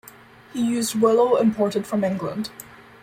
He used willow imported from England.